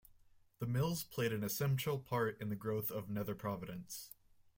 The mills played an essential part in the growth of Nether Providence.